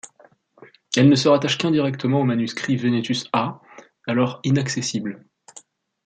Elle ne se rattache qu'indirectement au manuscrit Venetus A, alors inaccessible.